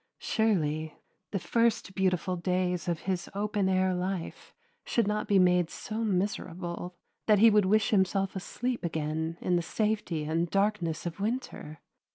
Surely, the first beautiful days of his open air life should not be made so miserable that he would wish himself asleep again in the safety and darkness of winter.